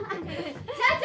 社長！